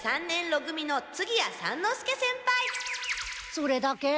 それだけ？